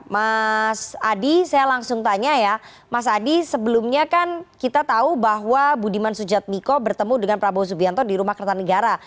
mas adi saya langsung tanya ya mas adi sebelumnya kan kita tahu bahwa budiman sujatmiko bertemu dengan prabowo subianto di rumah kertanegara